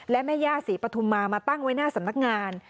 และแม่ย่าศรีปฐุมมามาตั้งไว้หน้าสำนักงาน